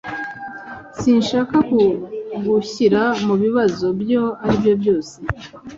Sinshaka kugushyira mubibazo ibyo aribyo byose.